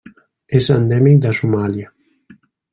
És endèmic de Somàlia.